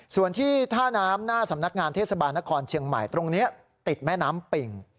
ส่วนที่ท่าน้ำหน้าสำนักงานเทศบาลนครเชียงใหม่ตรงนี้ติดแม่น้ำปิ่ง